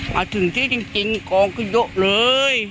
มาถึงที่จริงฟองอยู่เลย